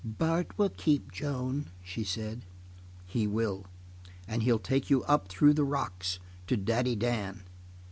"Bart will keep Joan," she said. "He will. And he'll take you up through the rocks to Daddy Dan."